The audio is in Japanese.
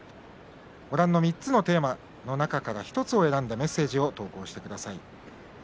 ご覧の３つのテーマの中から１つを選んでメッセージを投稿してください。